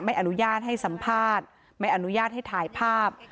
ไม่อนุญาตให้สัมภาษณ์ไม่อนุญาตให้ถ่ายภาพ